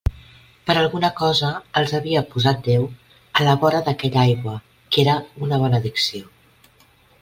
Per alguna cosa els havia posat Déu a la vora d'aquella aigua que era una benedicció.